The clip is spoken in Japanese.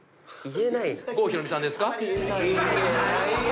郷ひろみさんですね。